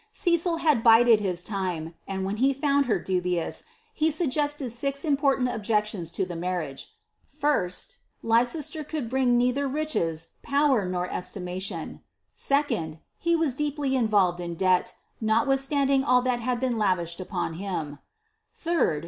Cecil had bided his time ; and when he found her dubiow he suggested six important objections to the marriage.* 1st. Leiccsle could bring neither riches, power, nor estimation. 2nd. He was deepl] involved in debt, notwithstanding all that had been lavished upon bin Srd.